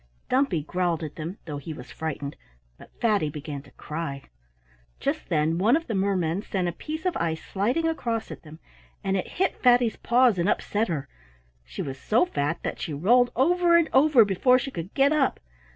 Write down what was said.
Dumpy growled at them, though he was frightened, but Fatty began to cry. Just then one of the mermen sent a piece of ice sliding across at them, and it hit Fatty's paws and upset her. She was so fat that she rolled over and over before she could get up.